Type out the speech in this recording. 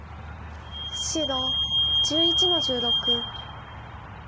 白１１の十六。